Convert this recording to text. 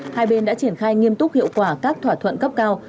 hai bên đã triển khai nghiêm túc hiệu quả các thỏa thuận cấp cao